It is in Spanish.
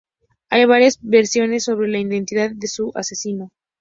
Hay varias versiones sobre la identidad de su asesino.